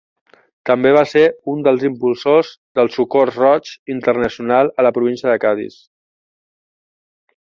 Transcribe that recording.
També va ser un dels impulsors del Socors Roig Internacional a la província de Cadis.